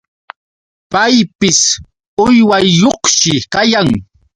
Paypis uywayuqshi kayan.